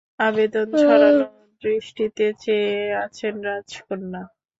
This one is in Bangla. আবেদন ছড়ানো দৃষ্টিতে চেয়ে আছেন রাজকন্যা।